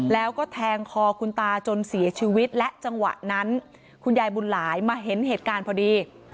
แล้วก็แทงคอคุณตาจนเสียชีวิตและจังหวะนั้นคุณยายบุญหลายมาเห็นเหตุการณ์พอดี